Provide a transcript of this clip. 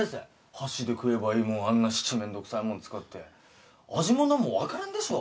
箸で食えばいいもんを七面倒くさいもん使って味もなんも分からんでしょ